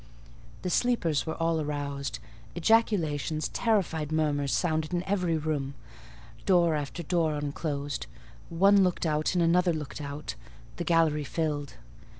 The sleepers were all aroused: ejaculations, terrified murmurs sounded in every room; door after door unclosed; one looked out and another looked out; the gallery filled.